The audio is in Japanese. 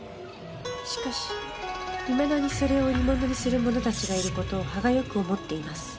「しかしいまだにそれを売り物にするものたちがいる事を歯がゆく思っています」